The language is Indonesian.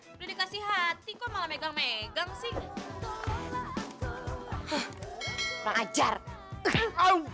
eh udah dikasih hati kau malah megang megang sih